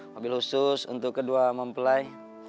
mobil khusus untuk kedua mempelai